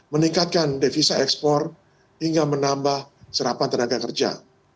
meningkatkan devisa ekspor hingga menambah serapan tenaga kerja